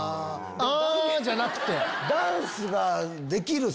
「あぁ」じゃなくて！